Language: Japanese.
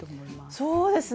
そうですね。